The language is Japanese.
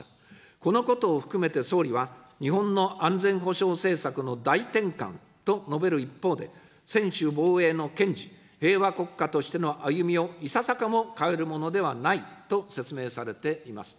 このことを含めて総理は、日本の安全保障政策の大転換と述べる一方で、専守防衛の堅持、平和国家としての歩みをいささかも変えるものではないと説明されています。